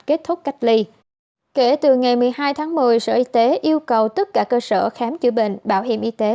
kết thúc cách ly kể từ ngày một mươi hai tháng một mươi sở y tế yêu cầu tất cả cơ sở khám chữa bệnh bảo hiểm y tế